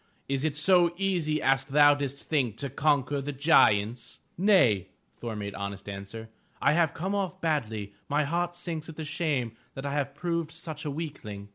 Is it so easy as thou didst think to conquer the giants?" "Nay," Thor made honest answer, "I have come off badly. My heart sinks with shame that I have proved such a weakling!"